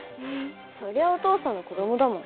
そりゃお父さんの子どもだもん。